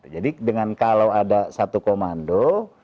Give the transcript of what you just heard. jadi kalau ada satu komando